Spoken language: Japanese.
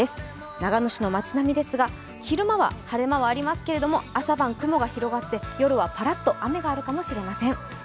長野市の街並みですが昼間は晴れ間はありますけど朝晩、雲が広がって夜はパラッと雨があるかもしれません。